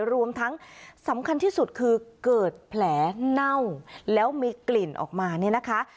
รวมทั้งสำคัญที่สุดคือเกิดแผลเน่าแล้วมีกลิ่นออกมาเนี่ยนะคะ